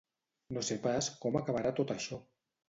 No sé pas com acabarà tot això!